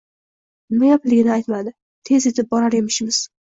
Nima gapligini aytmadi, tez etib borar emishmiz